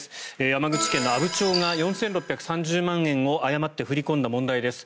山口県の阿武町が４６３０万円を誤って振り込んだ問題です。